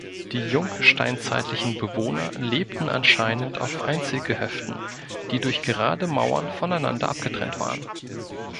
Die jungsteinzeitlichen Bewohner lebten anscheinend auf Einzelgehöften, die durch gerade Mauern voneinander abgetrennt waren.